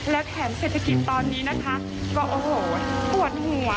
และแถมเศรษฐกิจตอนนี้นะคะก็โอ้โหปวดหัว